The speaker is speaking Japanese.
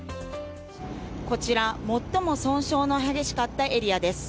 こちら、最も損傷の激しかったエリアです。